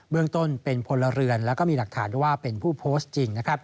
เรื่องต้นเป็นพลเรือนแล้วก็มีหลักฐานว่าเป็นผู้โพสต์จริง